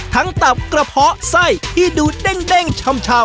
ตับกระเพาะไส้ที่ดูเด้งชำ